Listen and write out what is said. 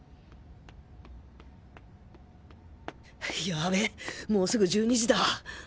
やべっもうすぐ１２時だ！